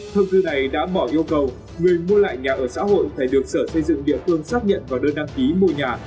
thông tư này đã bỏ yêu cầu người mua lại nhà ở xã hội phải được sở xây dựng địa phương xác nhận vào đơn đăng ký mua nhà